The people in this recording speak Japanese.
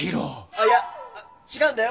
あっいや違うんだよ